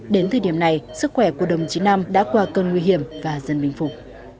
đến thời điểm này sức khỏe của đồng chí năm đã qua cơn nguy hiểm và dân minh phục